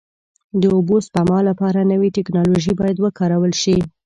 د اوبو سپما لپاره نوې ټکنالوژۍ باید وکارول شي.